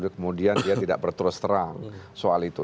kemudian dia tidak berterus terang soal itu